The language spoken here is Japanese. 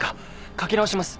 書き直します。